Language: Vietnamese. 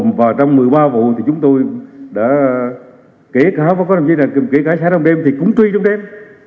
mà trong một mươi ba vụ thì chúng tôi đã kể cả xảy ra trong đêm thì cũng truy trong đêm